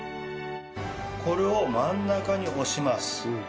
これを真ん中に押します。